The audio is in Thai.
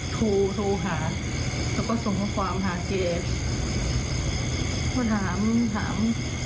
พอใส่แล้วก็ทูกลับมาหานะอย่างเงี้ย